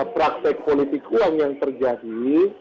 praktek politik uang yang terjadi